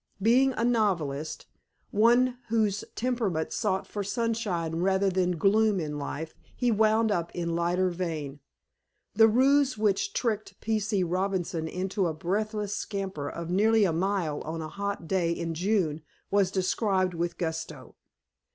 Being a novelist, one whose temperament sought for sunshine rather than gloom in life, he wound up in lighter vein. The ruse which tricked P. C. Robinson into a breathless scamper of nearly a mile on a hot day in June was described with gusto.